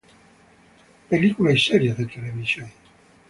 Películas y series de televisión